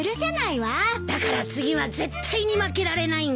だから次は絶対に負けられないんだ。